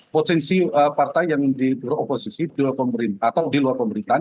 posisi partai yang diperlu oposisi di luar pemerintah